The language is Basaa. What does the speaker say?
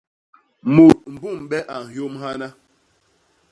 Mut mbu mbe a nhyôm hana!